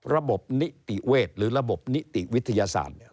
ระบบนิติเวชหรือระบบนิติวิทยาศาสตร์